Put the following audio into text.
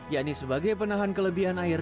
yakni sebagai penahan kelebihan air